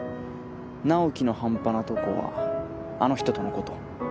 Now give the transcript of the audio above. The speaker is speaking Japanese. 直樹の半端なとこはあの人とのこと？